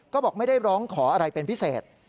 ก็บอกไม่ได้ร้องขออะไรเป็นพิเศษ